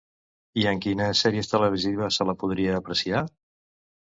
I en quines sèries televisives se la podria apreciar?